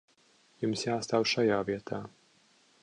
Jums jāstāv šajā vietā.